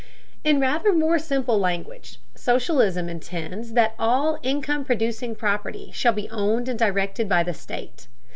In rather more simple language, socialism intends that all income producing property shall be owned and directed by the state.